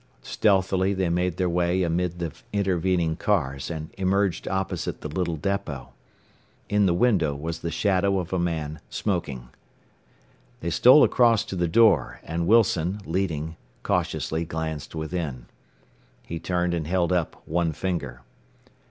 Stealthily they made their way amid the intervening cars, and emerged opposite the little depot. In the window was the shadow of a man smoking. They stole across to the door, and Wilson, leading, cautiously glanced within. He turned and held up one finger.